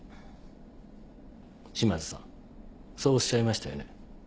嶋津さんそうおっしゃいましたよね。